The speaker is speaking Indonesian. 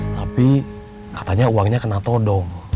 tapi katanya uangnya kena todong